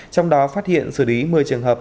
trong đó phát hiện xử lý một mươi trường hợp